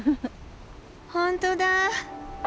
本当だ！